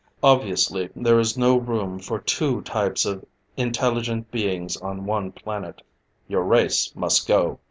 Obviously, there is no room for two types of intelligent beings on one planet your race must go!